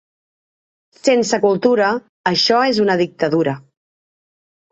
Sense cultura això és una dictadura.